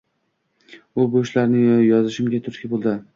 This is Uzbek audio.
U bularni yozishimga turtki boʻldi.